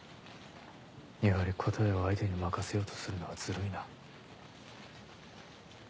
やはり答えを相手に任せようとするのはズルいな。